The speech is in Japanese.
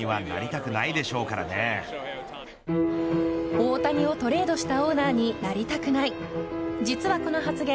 大谷をトレードしたオーナーになりたくない実はこの発言